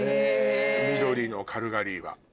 みどりのカルガリーは。